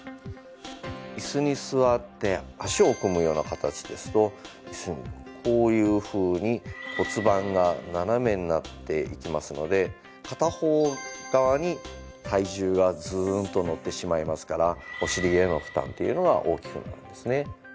椅子に座って脚を組むような形ですとこういうふうに骨盤が斜めになっていきますので片方側に体重がズーンとのってしまいますからお尻への負担っていうのが大きくなりますね。